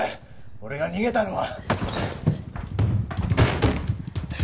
俺が逃げたのは。